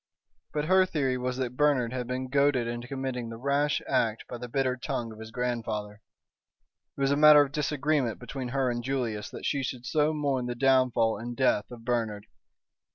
But her theory was that Bernard had been goaded into committing the rash act by the bitter tongue of his grandfather. It was a matter of disagreement between her and Julius that she should so mourn the downfall and death of Bernard.